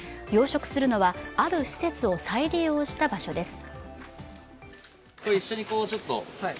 養殖するのは、ある施設を再利用した場所です。